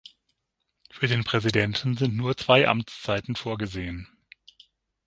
Für den Präsidenten sind nur zwei Amtszeiten vorgesehen.